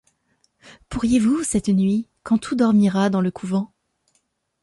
Pourriez-vous, cette nuit, quand tout dormira dans le couvent